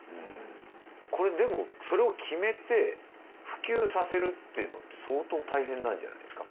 これでもそれを決めて普及させるっていうのって相当大変なんじゃないですか？